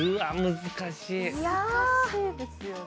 難しいですよね。